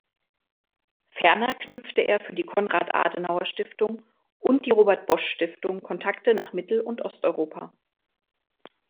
Ferner knüpfte er für die Konrad-Adenauer-Stiftung und die Robert-Bosch-Stiftung Kontakte nach Mittel- und Osteuropa.